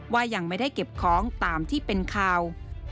ว่ายังไม่ได้เก็บของตามที่เป็นข่าว